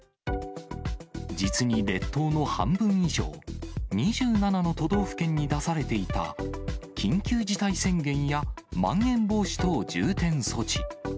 実に列島の半分以上、２７の都道府県に出されていた緊急事態宣言やまん延防止等重点措置。